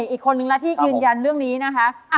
อีกคนนึงละที่ยืนยันเรื่องนี้นะคะ